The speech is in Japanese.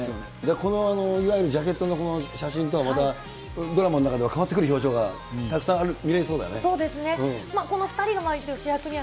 このいわゆるジャケットのこの写真とはまたドラマの中では変わってくる表情が、たくさん見れそうだね。